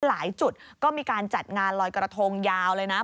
หลายจุดก็มีการจัดงานลอยกระทงยาวเลยนะ